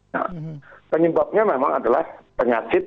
nah penyebabnya memang adalah penyakit